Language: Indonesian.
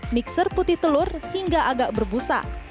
mixer putih telur hingga agak berbusa